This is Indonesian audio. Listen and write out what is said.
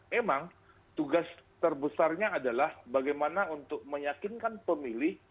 memang tugas terbesarnya adalah bagaimana untuk meyakinkan pemilih